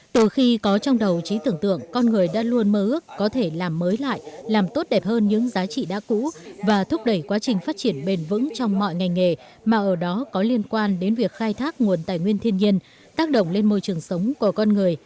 từ khi có trong đầu trí tưởng tượng con người đã luôn mơ ước có thể làm mới lại làm tốt đẹp hơn những giá trị đã cũ và thúc đẩy quá trình phát triển bền vững trong mọi ngành nghề mà ở đó có liên quan đến việc khai thác nguồn tài nguyên thiên nhiên tác động lên môi trường sống của con người